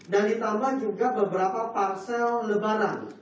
dan ditambah juga beberapa parsel lebaran